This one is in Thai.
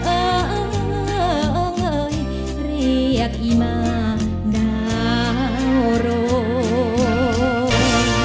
เอ่อเอ่อเอ่อเอ่อยเรียกอีม่าดาวโรง